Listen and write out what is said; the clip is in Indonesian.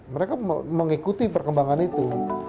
mereka mengikuti perkembangan itu